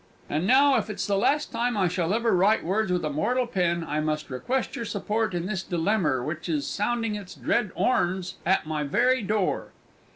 "And now if it's the last time I shall ever write words with a mortal pen, I must request your support in this dilemmer which is sounding its dread orns at my very door!